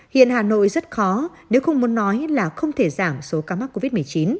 hiện hà nội rất khó nếu không muốn nói là không thể giảm số ca mắc covid một mươi chín